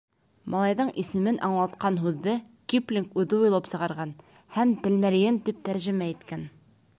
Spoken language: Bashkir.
Малайҙың исемен аңлатҡан һүҙҙе Киплинг үҙе уйлап сығарған һәм «тәлмәрйен» тип тәржемә иткән.